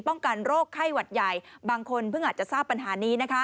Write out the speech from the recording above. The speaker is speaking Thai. กันโรคไข้หวัดใหญ่บางคนเพิ่งอาจจะทราบปัญหานี้นะคะ